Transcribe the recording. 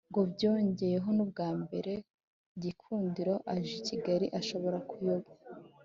Ngo byongeyeho nubwambere Gikundiro aje I kigali ashobora kuyoba